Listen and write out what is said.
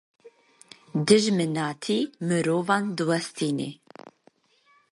Dijminatî mirovan diwestîne.